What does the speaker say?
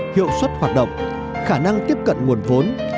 hiệu suất hoạt động khả năng tiếp cận nguồn vốn